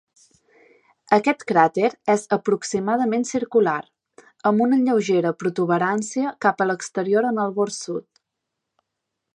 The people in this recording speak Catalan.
Aquest cràter és aproximadament circular, amb una lleugera protuberància cap a l'exterior en el bord sud